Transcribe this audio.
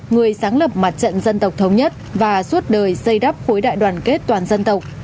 người sáng lập mặt trận dân tộc thống nhất và suốt đời xây đắp khối đại đoàn kết toàn dân tộc